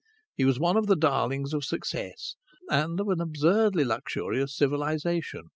He was one of the darlings of success and of an absurdly luxurious civilization.